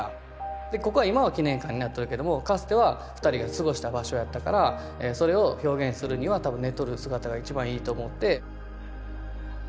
でここは今は記念館になっとるけどもかつては２人が過ごした場所やったからそれを表現するには多分寝とる姿が一番いいと思って。